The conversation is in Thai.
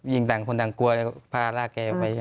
ยิ้งต่างคนต่างกลัวเลยพาร่าเขาไป